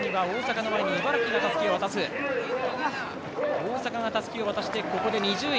大阪がたすきを渡して２０位。